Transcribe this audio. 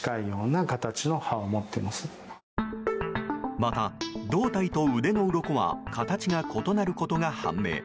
また、胴体と腕のうろこは形が異なることが判明。